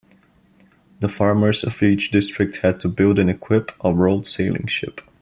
The farmers of each district had to build and equip a rowed sailing ship.